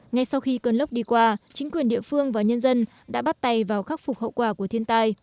ngay sau khi cơn lốc đi qua chính quyền địa phương và nhân dân đã bắt tay vào khắc phục hậu quả của thiên tai